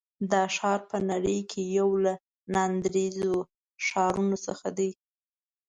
دا ښار په نړۍ کې یو له ناندرییزو ښارونو څخه دی.